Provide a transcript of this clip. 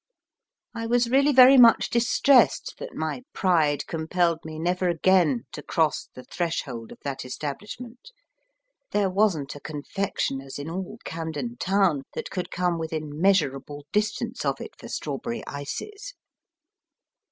I was really very much distressed that my pride com pelled me never again to cross the threshold of that establishment. There wasn t a confectioner s in all Camden Town that could come within measurable distance of it for strawberry ices.